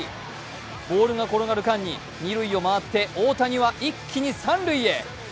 ボールが転がる間に２塁を回って大谷は一気に３塁へ。